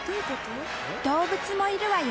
動物もいるわよ。